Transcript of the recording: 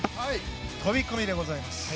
飛込でございます。